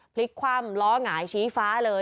พลิกคว่ำล้อหงายชี้ฟ้าเลย